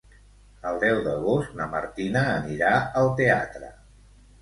El deu d'agost na Martina anirà al teatre.